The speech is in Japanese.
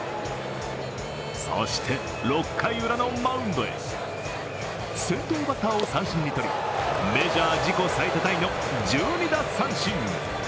そして、６回ウラのマウンドへ先頭バッターを三振に取り、メジャー自己最多タイの１２奪三振。